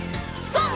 ＧＯ！